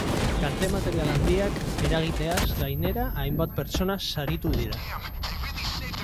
Kalte material handiak eragiteaz gainera, hainbat pertsona zauritu dira.